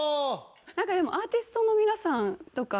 何かでもアーティストの皆さんとか。